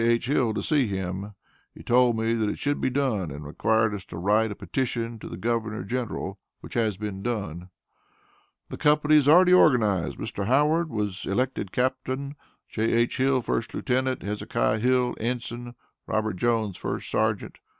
H. Hill to see him he told me that it should be done, and required us to write a petition to the Governor General, which has been done. The company is already organized. Mr. Howard was elected Captain; J.H. Hill, 1st Lieutenant; Hezekiah Hill, Ensign; Robert Jones, 1st Sergeant.